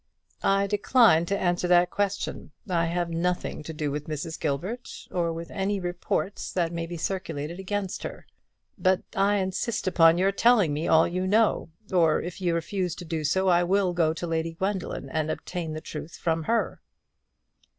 "I decline to answer that question. I have nothing to do with Mrs. Gilbert, or with any reports that may be circulated against her." "But I insist upon your telling me all you know; or, if you refuse to do so, I will go to Lady Gwendoline, and obtain the truth from her."